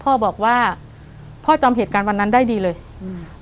พ่อบอกว่าพ่อจำเหตุการณ์วันนั้นได้ดีเลยอืม